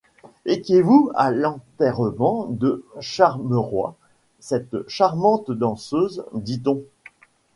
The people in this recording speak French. Étiez-vous à l'enterrement de Charmeroy, cette charmante danseuse, dit-on ?